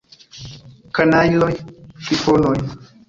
Kanajloj, friponoj!